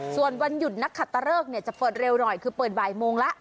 ส่วนวันหยุดนักขัตตะเริกจะเปิดเร็วหน่อยคือเปิดบ่ายโมงแล้ว